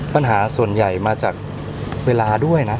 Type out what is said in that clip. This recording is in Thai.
ปัญหาส่วนใหญ่มาจากเวลาด้วยนะ